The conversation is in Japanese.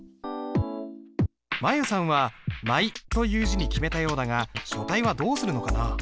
舞悠さんは「舞」という字に決めたようだが書体はどうするのかな。